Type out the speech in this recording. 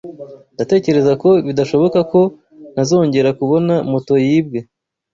Ndatekereza ko bidashoboka ko ntazongera kubona moto yibwe.